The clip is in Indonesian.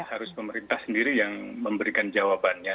harus pemerintah sendiri yang memberikan jawabannya